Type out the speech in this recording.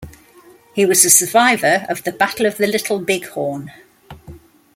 He was a survivor of the Battle of the Little Big Horn.